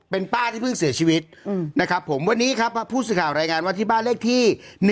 เป็นป้าที่เพิ่งเสียชีวิตนะครับผมวันนี้ครับผู้สื่อข่าวรายงานว่าที่บ้านเลขที่๑